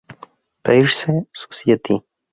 Peirce Society.